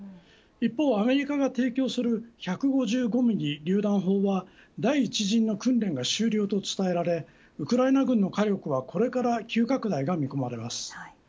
一方、アメリカが提供する１５５ミリりゅう弾砲は第１陣の訓練が終了と伝えられウクライナ軍の火力はこれから急拡大が見込まれます。